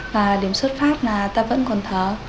và điểm xuất phát là ta vẫn còn thở